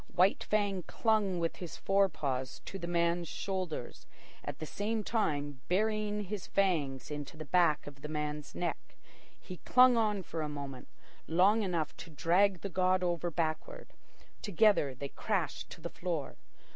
White Fang clung with his fore paws to the man's shoulders, at the same time burying his fangs into the back of the man's neck. He clung on for a moment, long enough to drag the god over backward. Together they crashed to the floor.